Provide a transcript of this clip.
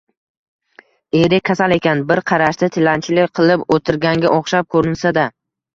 eri kasal ekan, bir qarashda tilanchilik qilib o‘tirganga o‘xshab ko‘rinsa-da